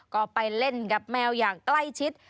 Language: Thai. ก็ไปเล่นกับแมวอย่างใกล้ชิด